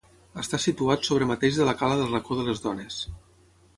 Està situat sobre mateix de la cala del racó de les dones.